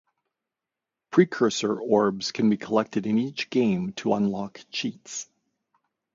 Precursor orbs can be collected in each game to unlock cheats.